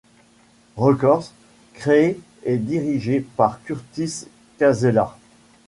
Records, créé et dirigé par Curtis Casella.